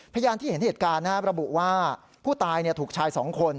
พยานที่เห็นเหตุการณ์ระบุว่าผู้ตายถูกชาย๒คน